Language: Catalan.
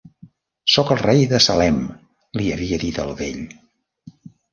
"Soc el rei de Salem", li havia dit el vell.